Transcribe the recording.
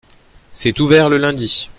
C’est ouvert le lundi.